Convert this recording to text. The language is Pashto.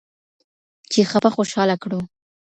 چې خپه خوشحاله کړو.